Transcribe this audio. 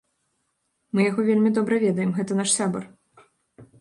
Мы яго вельмі добра ведаем, гэта наш сябар.